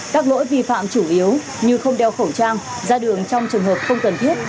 các lỗi vi phạm chủ yếu như không đeo khẩu trang ra đường trong trường hợp không cần thiết